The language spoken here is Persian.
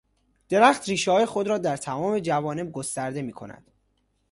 درخت ریشههای خود را در تمام جوانب گسترده میکند.